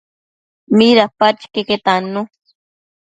Midapadquio iqueque tannu